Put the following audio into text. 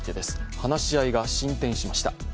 話し合いが進展しました。